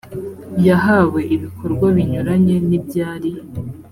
yahawe ibikorwa binyuranye n ibyari